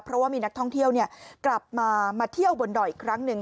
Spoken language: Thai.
เพราะว่ามีนักท่องเที่ยวกลับมามาเที่ยวบนดอยอีกครั้งหนึ่ง